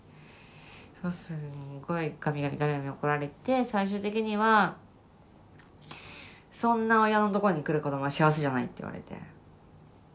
すんごいガミガミガミガミ怒られて最終的には「そんな親のとこに来る子どもは幸せじゃない」って言われて。